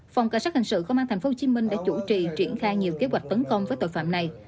phòng cảnh sát hình sự công an thành phố hồ chí minh đã chủ trì triển khai nhiều kế hoạch tấn công với tội phạm này